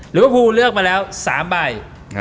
หรือว่าพูฮูเลือกมาแล้ว๓ใบ